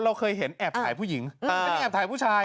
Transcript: เราเคยเห็นแอบถ่ายผู้หญิงอันนี้แอบถ่ายผู้ชาย